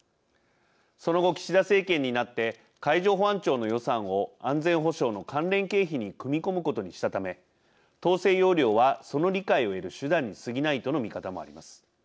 その後岸田政権になって海上保安庁の予算を安全保障の関連経費に組み込むことにしたため統制要領はその理解を得る手段にすぎないとの見方もあります。